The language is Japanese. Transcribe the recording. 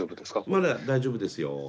まだ大丈夫ですよ。